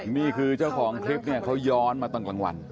นี่คือเจ้าของคลิปเนี่ยเขาย้อนมาตอนกลางวัน